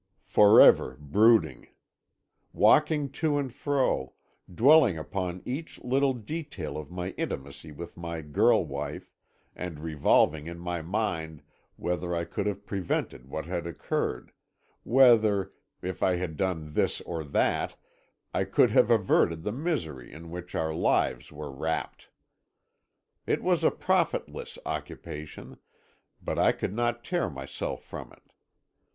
For ever brooding. Walking to and fro, dwelling upon each little detail of my intimacy with my girl wife, and revolving in my mind whether I could have prevented what had occurred whether, if I had done this or that, I could have averted the misery in which our lives were wrapt. It was a profitless occupation, but I could not tear myself from it.